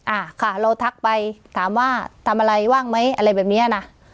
อ่าค่ะเราทักไปถามว่าทำอะไรว่างไหมอะไรแบบเนี้ยนะ